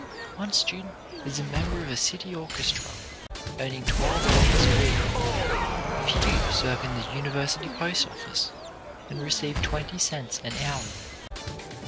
One student is a member of a city orchestra, earning twelve dollars a week. A few serve in the university postoffice, and receive twenty cents an hour.